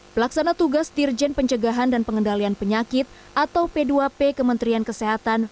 pelaksana tugas dirjen pencegahan dan pengendalian penyakit atau p dua p kementerian kesehatan